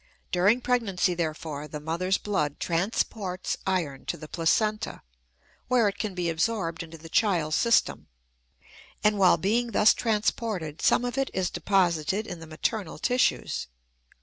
During pregnancy, therefore, the mother's blood transports iron to the placenta, where it can be absorbed into the child's system; and while being thus transported some of it is deposited in the maternal tissues.